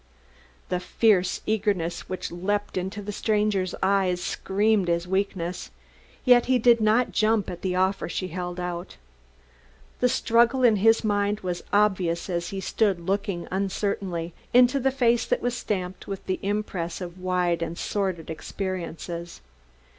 The fierce eagerness which leaped into the stranger's eyes screamed his weakness, yet he did not jump at the offer she held out. The struggle in his mind was obvious as he stood looking uncertainly into the face that was stamped with the impress of wide and sordid experiences.